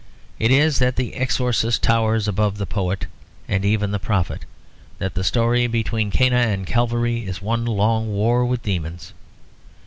It is that the exorcist towers above the poet and even the prophet; that the story between Cana and Calvary is one long war with demons.